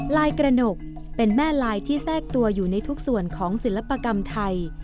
ลายกระหนกเป็นแม่ลายที่แทรกตัวอยู่ในทุกส่วนของศิลปกรรมไทย